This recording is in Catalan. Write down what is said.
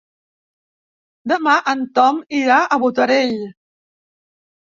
Demà en Ton irà a Botarell.